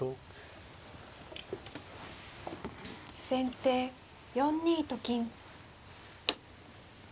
先手４二と金。